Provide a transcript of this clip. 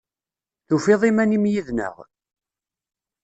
Tufiḍ iman-im yid-neɣ?